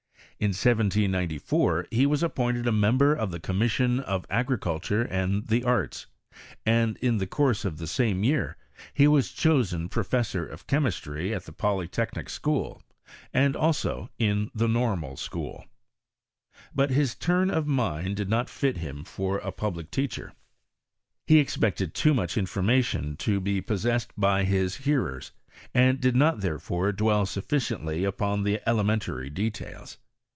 In 1794 he was appointed a member of the CommiB Bion of Agriculture and the Arts : and in the course of the same year he was chosen professor of che mistry at the Polytechnic School and also in the Normal Scliool. But his turn of mind did not fit him for a public teacher. He expected too much information to be possessed by his hearers, and did not, therefore, dwelt sufficiently upon the elementary details.